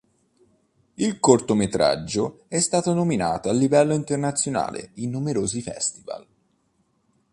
Il cortometraggio è stato nominato a livello internazionale in numerosi festival.